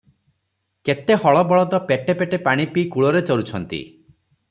କେତେ ହଳ ବଳଦ ପେଟେ ପେଟେ ପାଣିପିଇ କୂଳରେ ଚରୁଛନ୍ତି ।